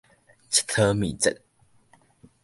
𨑨 迌物節